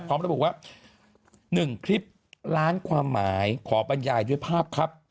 พร้อมระบุว่า๑คลิปล้านความหมายขอบรรยายด้วยภาพครับ